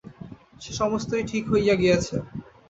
সে-সমস্তই ঠিক হইয়া গেছে।